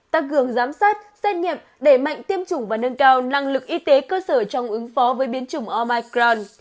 tăng cường giám sát xét nghiệm đẩy mạnh tiêm chủng và nâng cao năng lực y tế cơ sở trong ứng phó với biến chủng omicron